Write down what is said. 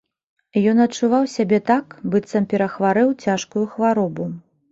Ён адчуваў сябе так, быццам перахварэў цяжкую хваробу.